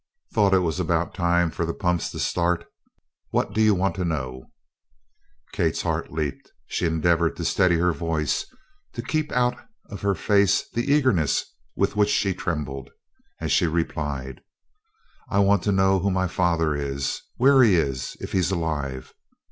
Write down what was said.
"Thought it was about time for the pumps to start. What do you want to know?" Kate's heart leaped. She endeavored to steady her voice, to keep out of her face the eagerness with which she trembled, as she replied: "I want to know who my father is where he is, if he's alive.